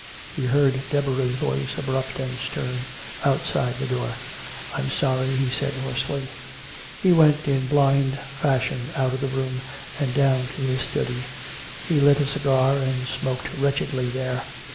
He heard Deborah's voice, abrupt and stern, outside the door. "I'm sorry," he said hoarsely. He went in blind fashion out of the room and down to his study. He lit a cigar and smoked wretchedly there.